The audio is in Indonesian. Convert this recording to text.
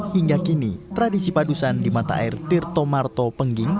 hingga kini tradisi padusan di mata air tirto marto pengging